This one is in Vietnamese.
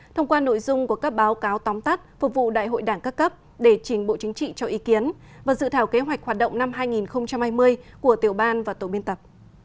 thông qua nội dung của các báo cáo tóm tắt phục vụ đại hội đảng các cấp để chính bộ chính trị cho ý kiến và dự thảo kế hoạch hoạt động năm hai nghìn hai mươi của tiểu ban và tổ biên tập